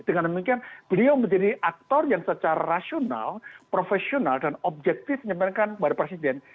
dengan demikian beliau menjadi aktor yang secara rasional profesional dan objektif menyampaikan kepada presiden